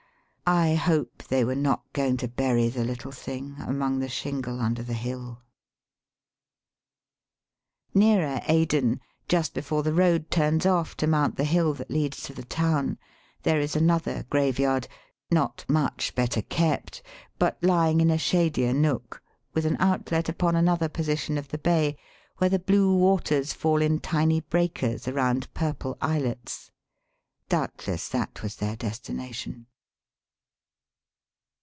I hope they were not going to bury the httle thing among the shingle under the hill. Nearer Aden, just before the road turns off to mount the hill that leads to the town, there is another graveyard, not much better kept, but lying in a shadier nook, with an outlet upon another position of the bay, where the blue waters fall in tiny breakers around purple islets. Doubtless that was their destination.